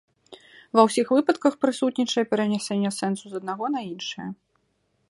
Ва ўсіх выпадках прысутнічае перанясенне сэнсу з аднаго на іншае.